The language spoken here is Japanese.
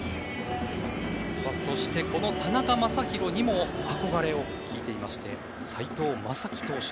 そして、この田中将大にも憧れを聞いていまして斎藤雅樹投手。